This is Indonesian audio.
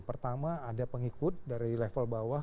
pertama ada pengikut dari level bawah